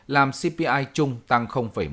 làm cpi chung tăng một mươi tám